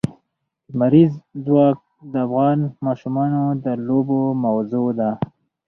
لمریز ځواک د افغان ماشومانو د لوبو موضوع ده.